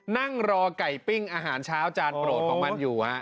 นั่งรอไก่ปิ้งอาหารเช้าจานโปรดของมันอยู่